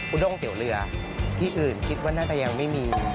้งเตี๋ยวเรือที่อื่นคิดว่าน่าจะยังไม่มี